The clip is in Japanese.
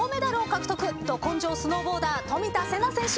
ど根性スノーボーダー冨田せな選手。